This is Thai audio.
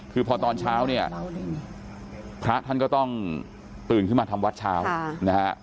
คือพอตอนเช้าเนี่ยพระท่านก็ต้องตื่นขึ้นมาทำวัดเช้านะฮะ